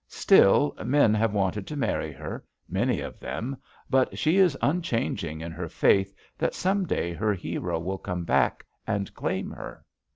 Still, men have wanted to marry her, many of them, but she is unchanging in her faith that some day her hero will come back and claim her.